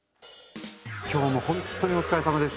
今日もほんっとにお疲れさまです。